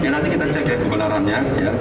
nanti kita cek kebenarannya